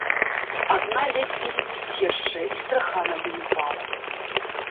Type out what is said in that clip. Адна ледзьве ліпіць яшчэ, і страха на ёй упала.